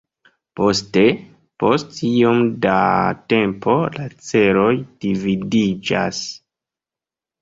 Poste, post iom da tempo, la ĉeloj dividiĝas.